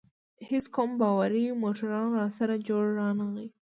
هیڅ کوم باوري موټروان راسره جوړ رانه غی.